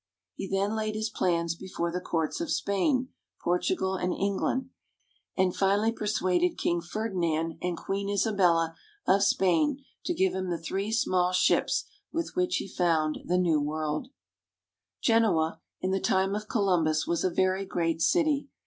He then laid his plans before the courts of Spain, Portu gal, and England, and finally persuaded King Ferdinand and Queen Isabella of Spain to give him the three small ships with which he found the new world. NORTHERN ITALY. 409 Genoa, in the time of Columbus, was a very great city.